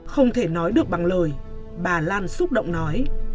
không thể nói được bằng lời bà lan xúc động nói